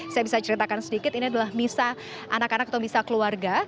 saya bisa ceritakan sedikit ini adalah misa anak anak atau misa keluarga